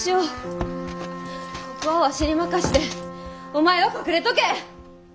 ここはわしに任せてお前は隠れとけ！